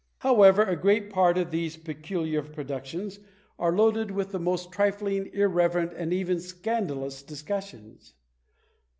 However, a great part of these peculiar productions are loaded with the most trifling, irreverent, and even scandalous discussions.